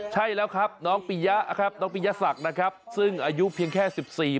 ใช่แล้วครับน้องปิยสักนะครับซึ่งอายุเพียงแค่๑๔ปี